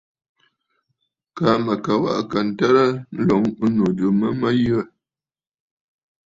Lâ kaa mə̀ ka waꞌà kà ǹtərə nloŋ ɨnnù jû mə mə̀ yə aà.